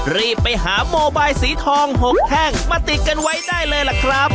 รีบไปหาโมบายสีทอง๖แท่งมาติดกันไว้ได้เลยล่ะครับ